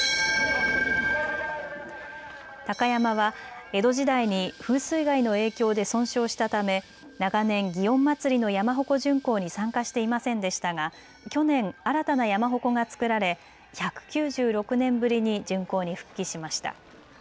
鷹山は江戸時代に風水害の影響で損傷したため長年、祇園祭の山鉾巡行に参加していませんでしたが去年、新たな山鉾がつくられ１９６年ぶりに巡行に復帰しました。